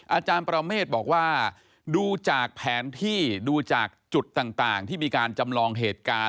อาจารย์ประเมฆบอกว่าดูจากแผนที่ดูจากจุดต่างที่มีการจำลองเหตุการณ์